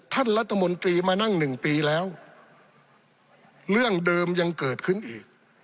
ท่านรัฐมนตรีมานั่งหนึ่งปีแล้วเรื่องเดิมยังเกิดขึ้นอีก